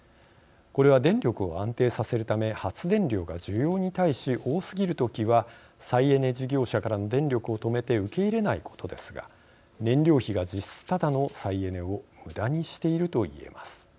これは電力を安定させるため発電量が需要に対し多すぎる時は再エネ事業者からの電力を止めて受け入れないことですが燃料費が実質ただの再エネをむだにしていると言えます。